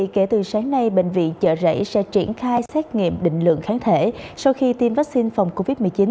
kể từ sáng nay bệnh viện chợ rẫy sẽ triển khai xét nghiệm định lượng kháng thể sau khi tiêm vaccine phòng covid một mươi chín